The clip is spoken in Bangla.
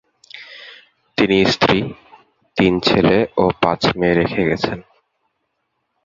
তিনি স্ত্রী, তিন ছেলে ও পাঁচ মেয়ে রেখে গেছেন।